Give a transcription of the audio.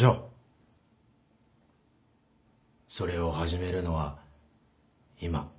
それを始めるのは今。